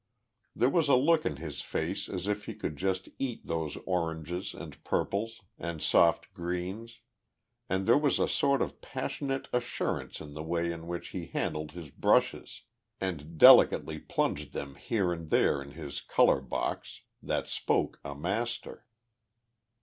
There was a look in his face as if he could just eat those oranges and purples, and soft greens; and there was a sort of passionate assurance in the way in which he handled his brushes, and delicately plunged them here and there in his colour box, that spoke a master.